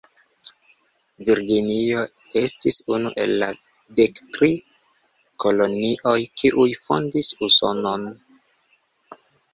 Virginio estis unu el la dektri kolonioj, kiuj fondis Usonon.